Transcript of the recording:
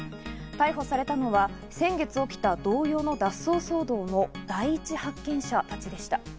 逮捕されたのは先月起きた同様の脱走騒動の第１発見者たちでした。